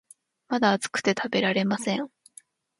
まだ熱くて食べられません